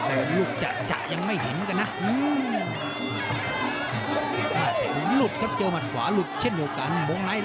แต่ลูกจัดจัดยังไม่หินกันนะหินหลุดครับเจ้ามัดขวาหลุดเช่นเหมือนกัน